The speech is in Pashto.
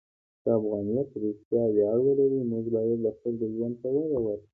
که افغانیت رښتیا ویاړ ولري، موږ باید د خلکو ژوند ته وده ورکړو.